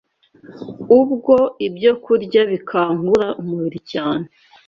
ubwo ibyokurya bikangura umubiri cyane